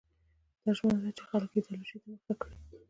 دا ژمنه ده چې خلک ایدیالوژۍ ته مخه کړي.